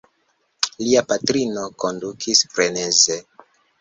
Lia patrino kondutis freneze.